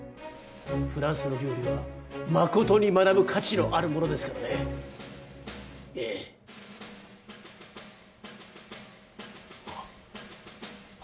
フランスの料理は真に学ぶ価値のあるものですからねええああは